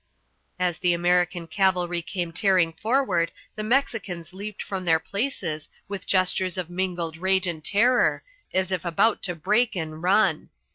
As the American cavalry came tearing forward, the Mexicans leaped from their places with gestures of mingled rage and terror as if about to break and run.